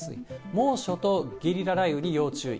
猛暑とゲリラ雷雨に要注意。